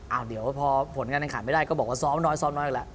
อ้าวเดี๋ยวพอผลการทางขาดไม่ได้ก็บอกว่าซ้อมน้อยซ้อมน้อยแล้ว